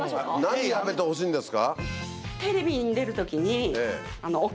何やめてほしいんですか？